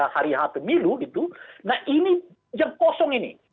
hari hati pemilu itu nah ini yang kosong ini